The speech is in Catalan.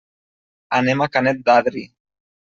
Anem a Canet d'Adri.